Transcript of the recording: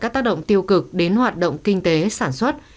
các tác động tiêu cực đến hoạt động kinh tế sản xuất